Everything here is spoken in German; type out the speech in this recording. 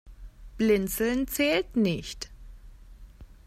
Blinzeln zählt nicht.